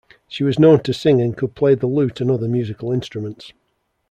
She was known to sing and could play the lute and other musical instruments.